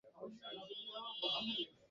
অদ্যাবধি এই আইন কার্যকর রয়েছে।